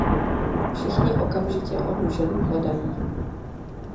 Všichni okamžitě onu ženu hledají.